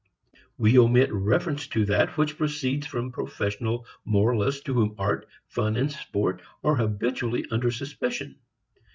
We omit reference to that which proceeds from professional moralists to whom art, fun and sport are habitually under suspicion.